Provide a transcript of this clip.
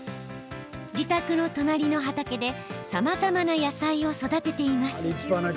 自宅の隣の畑でさまざまな野菜を育てています。